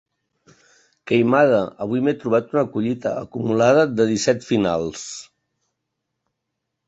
Queimada, avui m'he trobat una collita acumulada de disset finals.